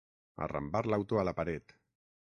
Arrambar l'auto a la paret.